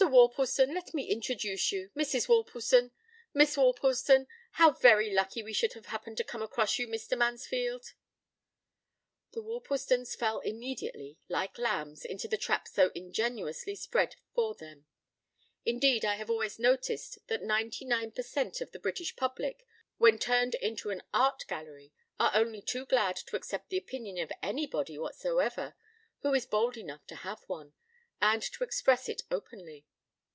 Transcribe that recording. Worplesdon, let me introduce you; Mrs. Worplesdon—Miss Worplesdon. How very lucky we should have happened to come across you, Mr. Mansfield!" The Worplesdons fell immediately, like lambs, into the trap soingenuously spread for them. Indeed, I have always noticed that ninety nine per cent. of the British public, when turned into an art gallery, are only too glad to accept the opinion of anybody whatsoever, who is bold enough to have one, and to express it openly.